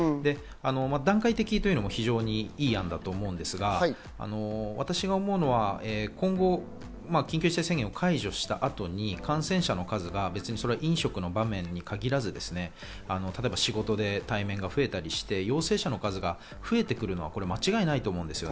段階的というのも非常にいい案だと思うんですが、私が思うのは今後、緊急事態宣言を解除した後に感染者の数が別に飲食の場面に限らず、例えば仕事で対面が増えたりして、陽性者の数が増えてくるのは間違いないと思うんです。